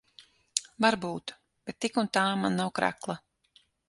Varbūt. Bet tik un tā man nav krekla.